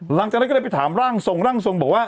หลังจากนั้นก็ได้ไปถามร่างทรงร่างทรงบอกว่า